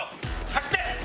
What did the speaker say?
走って！